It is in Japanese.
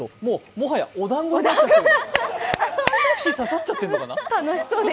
もはやおだんごになっちゃってる。